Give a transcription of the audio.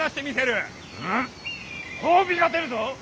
褒美が出るぞ。